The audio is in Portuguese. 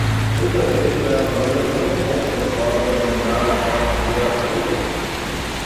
muitas vezes as famílias não encontram escolas organizadas para receber a todos